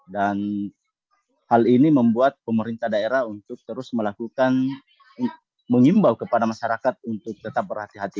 dan hal ini membuat pemerintah daerah untuk terus melakukan mengimbau kepada masyarakat untuk tetap berhati hati